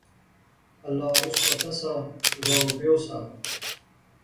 اللہ اس پتہ سا یا او پیو سا